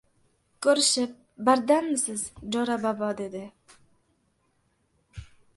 Ko‘rishib, bardammisiz, Jo‘ra bobo dedi.